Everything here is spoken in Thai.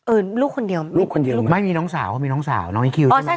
ลูกคนเดียวลูกคนเดียวลูกไม่มีน้องสาวเขามีน้องสาวน้องอีคิวใช่ไหม